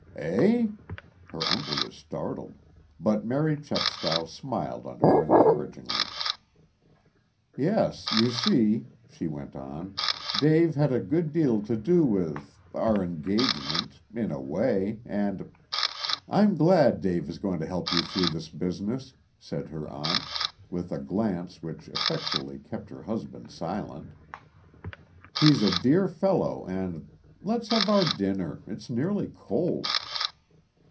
"Eh?" Her uncle was startled; but Mary Chepstow smiled on her encouragingly. "Yes, you see," she went on, "Dave had a good deal to do with our engagement in a way, and " "I'm glad Dave is going to help you through this business," said her aunt, with a glance which effectually kept her husband silent. "He's a dear fellow, and let's have our dinner it's nearly cold."